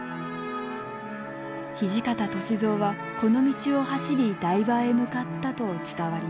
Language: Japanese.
土方歳三はこの道を走り台場へ向かったと伝わります。